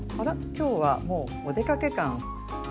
今日はもうお出かけ感満載で。